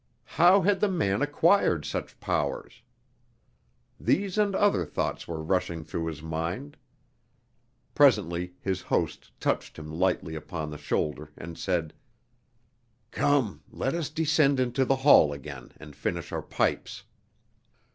How had the man acquired such powers? These and other thoughts were rushing through his mind. Presently his host touched him lightly upon the shoulder, and said: "Come, let us descend into the hall again, and finish our pipes."